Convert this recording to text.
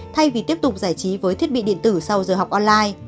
thay vì tiếp tục giải trí với thiết bị điện tử sau giờ học online